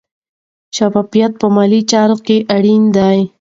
شفافیت په مالي چارو کې اړین دی.